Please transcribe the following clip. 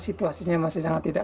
situasinya masih sangat tidak